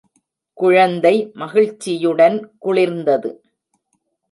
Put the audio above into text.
குழந்தை மகிழ்ச்சியுடன் குளிர்ந்தது.